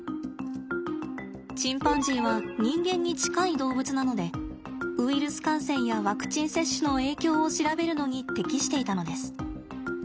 チンパンジーは人間に近い動物なのでウイルス感染やワクチン接種の影響を調べるのに適していたのです。